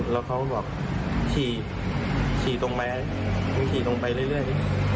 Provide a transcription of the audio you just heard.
แล้วเขาก็บอกขี่ขี่ตรงไหมมันขี่ตรงไปเรื่อย